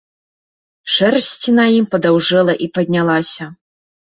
Шэрсць на ім падаўжэла і паднялася.